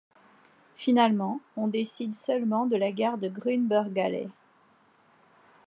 Finalement on décide seulement de la gare de Grünbergallee.